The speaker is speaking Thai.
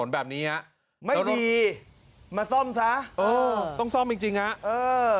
แบบนี้ฮะไม่ดีมาซ่อมซะเออต้องซ่อมจริงจริงฮะเออ